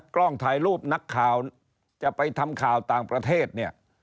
กล้องถ่ายรูปนักข่าวจะไปทำข่าวต่างประเทศเนี่ย